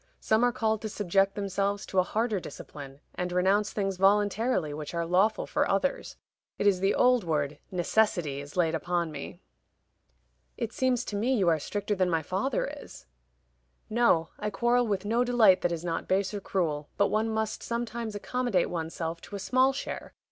Some are called to subject themselves to a harder discipline, and renounce things voluntarily which are lawful for others. It is the old word 'necessity' is laid upon me. "It seems to me you are stricter than my father is." "No; I quarrel with no delight that is not base or cruel, but one must sometimes accommodate one's self to a small share.